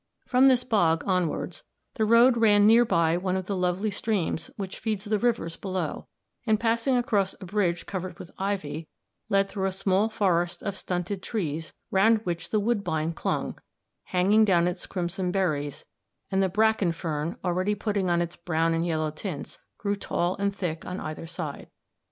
From this bog onwards the road ran near by one of the lovely streams which feed the rivers below, and, passing across a bridge covered with ivy, led through a small forest of stunted trees round which the woodbine clung, hanging down its crimson berries, and the bracken fern, already putting on its brown and yellow tints, grew tall and thick on either side.